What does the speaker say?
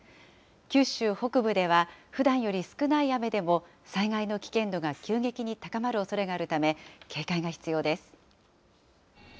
九州北部では、ふだんより少ない雨でも災害の危険度が急激に高まるおそれがあるため、警戒が必要です。